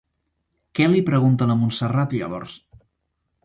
Què li pregunta la Montserrat llavors?